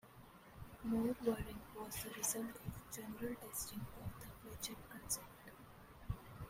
More worrying was the result of general testing of the flechette concept.